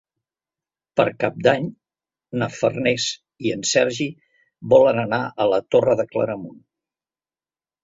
Per Cap d'Any na Farners i en Sergi volen anar a la Torre de Claramunt.